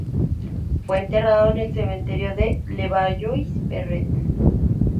Fue enterrado en el Cementerio de Levallois-Perret.